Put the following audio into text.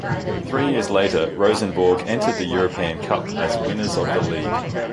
Three years later, Rosenborg entered the European Cup as winners of the league.